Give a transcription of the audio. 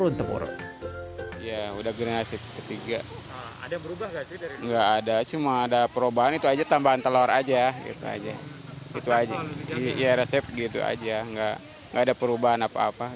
nggak ada perubahan apa apa